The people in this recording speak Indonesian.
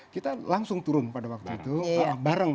kita langsung turun pada waktu itu bareng